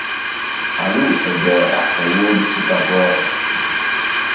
Alu e jooɗa e woodi suka gooto.